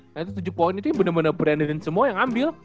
nah itu tujuh poin itu bener bener brandon dan semua yang ambil